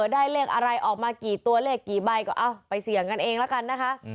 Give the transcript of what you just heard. ได้เลขอะไรออกมากี่ตัวเลขกี่ใบก็เอาไปเสี่ยงกันเองแล้วกันนะคะ